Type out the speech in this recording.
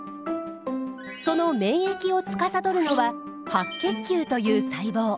その免疫をつかさどるのは白血球という細胞。